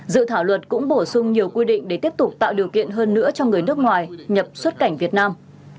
dự thảo luật cũng bổ sung nhiều quy định để tiếp tục tạo điều kiện hơn nữa cho người nước ngoài nhập xuất cảnh việt nam